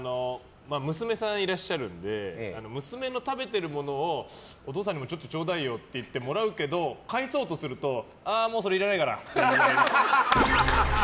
娘さんいらっしゃるんで娘の食べてるものをお父さんにもちょっとちょうだいよって言ってもらうけど、返そうとするとああ、もうそれいらないから。